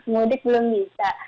mudik belum bisa